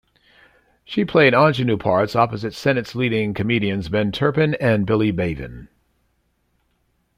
She played ingenue parts opposite Sennett's leading comedians, Ben Turpin and Billy Bevan.